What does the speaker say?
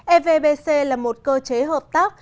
evbc là một cơ chế hợp tác